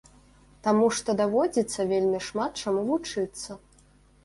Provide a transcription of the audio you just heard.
Таму што даводзіцца вельмі шмат чаму вучыцца.